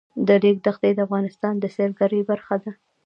د ریګ دښتې د افغانستان د سیلګرۍ برخه ده.